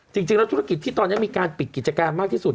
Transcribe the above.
จริงแล้วธุรกิจที่ตอนนี้มีการปิดกิจการมากที่สุด